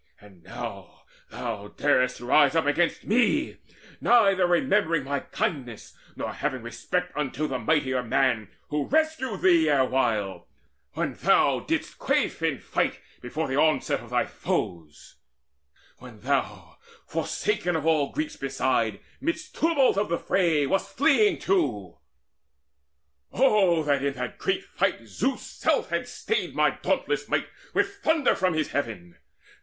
And now thou dar'st to rise up against me, Neither remembering my kindness, nor Having respect unto the mightier man Who rescued thee erewhile, when thou didst quaff In fight before the onset of thy foes, When thou, forsaken of all Greeks beside, Midst tumult of the fray, wast fleeing too! Oh that in that great fight Zeus' self had stayed My dauntless might with thunder from his heaven!